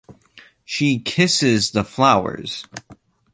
She kisses the flowers.